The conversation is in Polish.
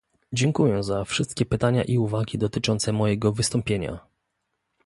Dziękuję za wszystkie pytania i uwagi dotyczące mojego wystąpienia